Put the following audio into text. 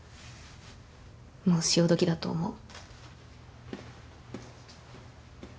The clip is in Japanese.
もう潮時だと思う。